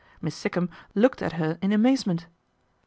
Miss Sikkum looked at her in amazement.